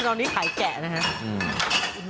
ตอนนี้ขายแกะนะครับ